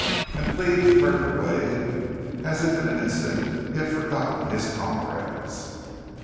And Cleve turned away, as if in an instant he had forgotten his comrades.